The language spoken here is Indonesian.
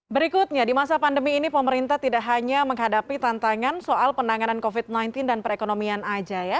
berikutnya di masa pandemi ini pemerintah tidak hanya menghadapi tantangan soal penanganan covid sembilan belas dan perekonomian aja ya